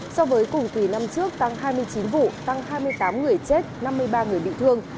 so với cùng kỳ năm trước tăng hai mươi chín vụ tăng hai mươi tám người chết năm mươi ba người bị thương